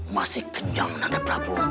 masih kencang nanda prabu